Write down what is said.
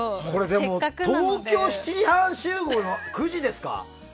でも、東京７時半集合の９時ですか？